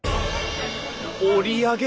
折り上げ